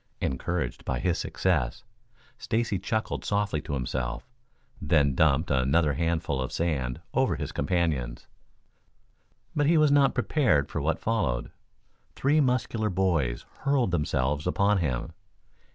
Encouraged by his success, Stacy chuckled softly to himself, then dumped another handful of sand over his companions. But he was not prepared for what followed. Three muscular boys hurled themselves upon him.